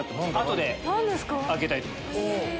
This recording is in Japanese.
後で開けたいと思います。